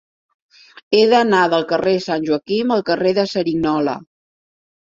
He d'anar del carrer de Sant Joaquim al carrer de Cerignola.